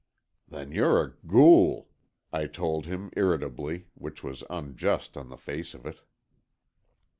"Then you're a ghoul," I told him, irritably, which was unjust on the face of it.